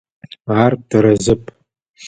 Ар тэрэзэп.